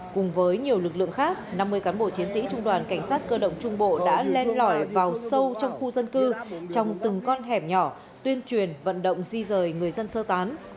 cùng với nhiều lực lượng khác năm mươi cán bộ chiến sĩ trung đoàn cảnh sát cơ động trung bộ đã lên lõi vào sâu trong khu dân cư trong từng con hẻm nhỏ tuyên truyền vận động di rời người dân sơ tán